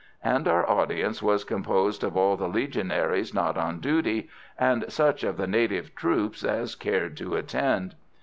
and our audience was composed of all the Legionaries not on duty and such of the native troops as cared to attend.